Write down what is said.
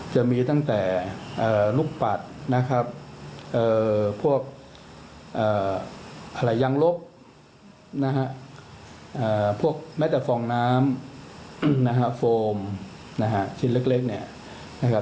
จะมีตั้งแต่ลูกปัดพวกอะไรยังลบพวกแม้แต่ฟองน้ำโฟมชิ้นเล็ก